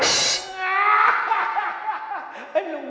กูอยากจะรู้นะ